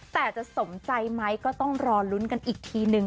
แต่จะสมใจไหมก็ต้องรอลุ้นกันอีกทีนึง